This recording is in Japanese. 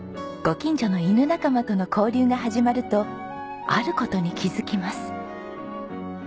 ご近所の犬仲間との交流が始まるとある事に気づきます。